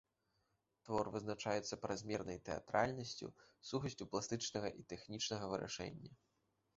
Твор вызначаецца празмернай тэатральнасцю, сухасцю пластычнага і тэхнічнага вырашэння.